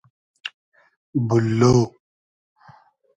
بوللۉ